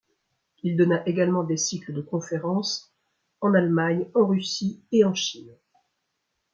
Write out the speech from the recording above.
Il donna également des cycles de conférences en Allemagne, en Russie et en Chine.